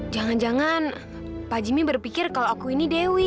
jangan jangan pak jimmy berpikir kalau aku ini dewi